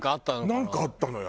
なんかあったのよ